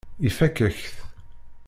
Ifakk-ak-t.